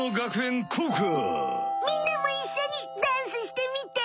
みんなもいっしょにダンスしてみて！